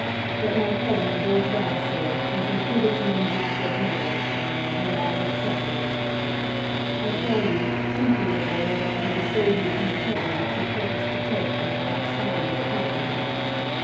"that my cousin, George Vavasor, has repeated to me his offer of marriage, and that I have accepted it. I tell you, chiefly in order that I may save you from the trouble which you purposed to take when I last saw you at Cheltenham.